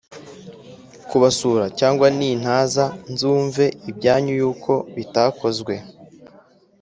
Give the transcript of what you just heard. kubasura cyangwa nintaza nzumve ibyanyu yuko bitakozwe